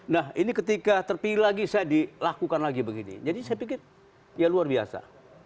nah ini ketika terpilih lagi saya dilakukan lagi begini jadi saya pikir ya luar biasa